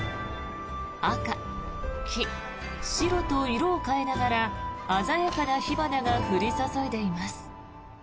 赤、黄、白と色を変えながら鮮やかな火花が降り注いでいます。